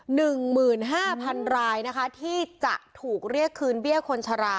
หนึ่งหมื่นห้าพันรายนะคะที่จะถูกเรียกคืนเบี้ยคนชรา